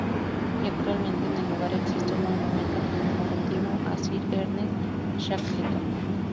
Y actualmente en el lugar existe un monumento conmemorativo a Sir Ernest Shackleton.